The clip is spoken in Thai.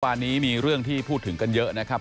วันนี้มีเรื่องที่พูดถึงกันเยอะนะครับ